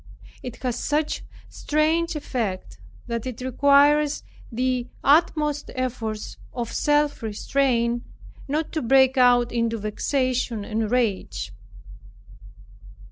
It has such strange effect, that it requires the utmost efforts of self restraint, not to break out into vexation and rage.